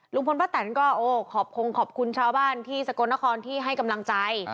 ป้าแตนก็โอ้ขอบคุณขอบคุณชาวบ้านที่สกลนครที่ให้กำลังใจ